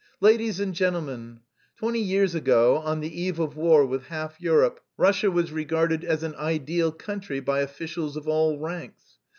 "Ladies and gentlemen! Twenty years ago, on the eve of war with half Europe, Russia was regarded as an ideal country by officials of all ranks!